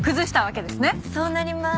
そうなりまーす。